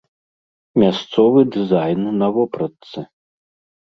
Мясцовы дызайн на вопратцы.